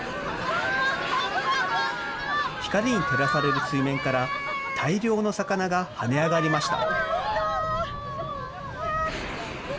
光に照らされる水面から、大量の魚が跳ね上がりました。